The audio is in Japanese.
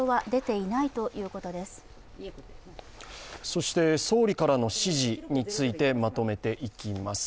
そして総理からの指示についてまとめていきます。